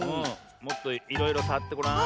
もっといろいろさわってごらん。